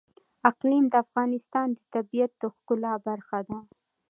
اقلیم د افغانستان د طبیعت د ښکلا برخه ده.